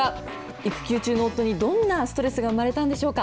育休中の夫にどんなストレスが生まれたんでしょうか。